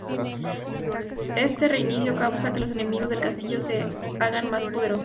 Este reinicio causa que los enemigos del castillo se hagan más poderosos.